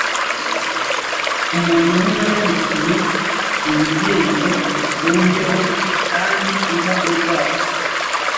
ku muntu uhora ararikiye ibihembo bisumbyeho kandi uha urwaho